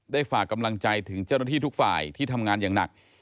ฝากกำลังใจถึงเจ้าหน้าที่ทุกฝ่ายที่ทำงานอย่างหนัก